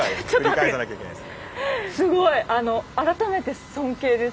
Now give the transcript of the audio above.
すごい！改めて尊敬です。